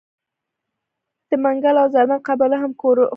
د منګلو او زرمت قبایلو هم ښورښ وکړ.